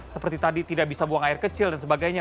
seperti tadi tidak bisa buang air kecil dan sebagainya